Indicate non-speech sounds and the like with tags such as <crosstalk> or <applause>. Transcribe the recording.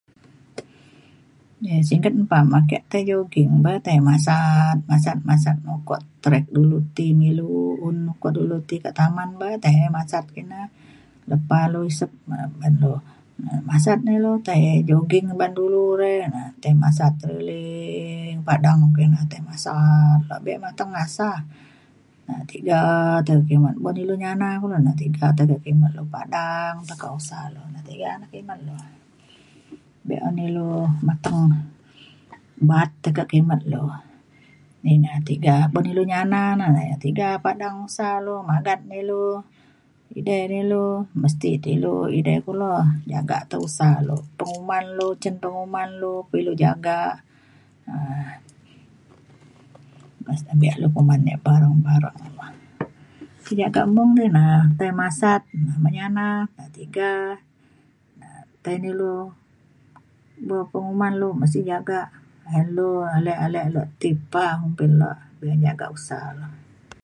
singget mpam ake tai jogging ba tai masat masat masat mung kuak track dulu ti me ilu un kuak dulu ti ka taman ba tai masat kina. lepa lu isep ban lu masat na ilu tai jogging ban dulu re na tai masat keliling padang po ina tai masat pabe mateng ngasa. na tiga tai kimet. ban ilu nyana kulo na tiga tekak kimet le padang tekak usa le tiga na kimet le. be’un ilu mateng ba’at tekak kimet le ina tiga. bo ilu nyana na tiga padang usa lu magat na ilu edei ne ilu mesti ti lu edei le kulo jagak ta usa le. penguman lu cin penguman lu pa ilu jagak um biar lu kuman ia’ barang barang <noise> jagak mung ti na tai masat menyana pa tiga na tai na ilu penguman lu mesti jagak ayen lu ale ale lu ti pa kumbin le be’un jagak usa le.